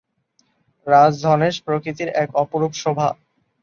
রাজ ধনেশ প্রকৃতির এক অপরূপ শোভা।